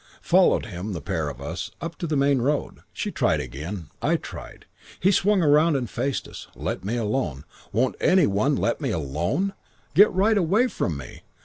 "Followed him, the pair of us, up to the main road. She tried again. I tried. He swung round and faced us. 'Let me alone. Won't any one let me alone? Get right away from me.